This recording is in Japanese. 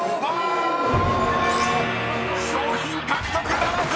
［賞品獲得ならず！］